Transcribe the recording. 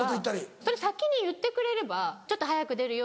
それ先に言ってくれればちょっと早く出るよ